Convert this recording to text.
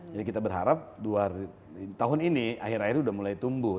jadi kita berharap tahun ini akhir akhirnya sudah mulai tumbuh